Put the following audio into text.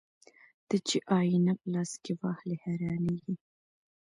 ته چې آيينه په لاس کې واخلې حيرانېږې